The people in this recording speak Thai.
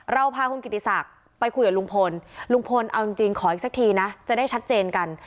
เราพาคุณกิติศักดิ์ไปคุยกับลุงพลลุงพลเอาจริงขออีกสักทีนะจะได้ชัดเจนกัน